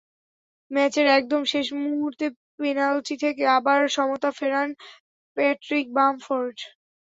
ম্যাচের একদম শেষ মুহূর্তে পেনাল্টি থেকে আবার সমতা ফেরান প্যাট্রিক বামফোর্ড।